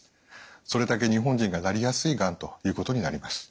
それだけ日本人がなりやすいがんということになります。